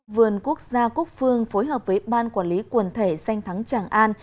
vườn quốc gia quốc phương phối hợp với ban quản lý quần thể xanh thắng tràng an